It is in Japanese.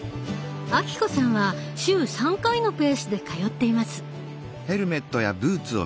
暁子さんは週３回のペースで通っています。